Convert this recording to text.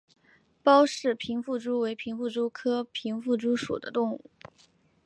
包氏平腹蛛为平腹蛛科平腹蛛属的动物。